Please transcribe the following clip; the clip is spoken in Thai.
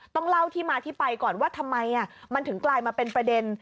ต้องเล่าที่มาที่ไปก่อนว่าทำไมมันถึงกลายมาเป็นประเด็น